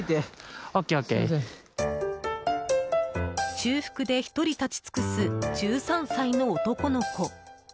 中腹で１人立ち尽くす１３歳の男の子。